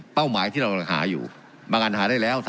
หมายที่เราหาอยู่บางอันหาได้แล้ว